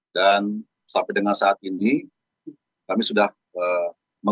dan sampai dengan saat ini kami sudah mengecilkan